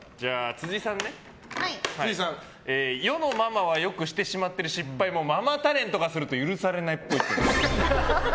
辻さん、世のママはよくしてしまっている失敗もママタレントがすると許されないっぽい。